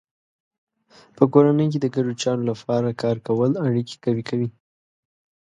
په کورنۍ کې د ګډو چارو لپاره کار کول اړیکې قوي کوي.